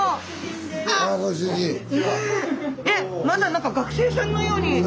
まだなんか学生さんのように。